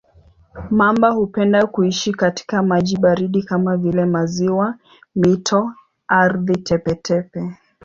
Mamba hupenda kuishi katika maji baridi kama vile maziwa, mito, ardhi tepe-tepe.